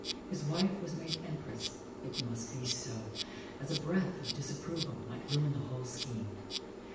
His wife was made Empress: it must be so, as a breath of disapproval might ruin the whole scheme.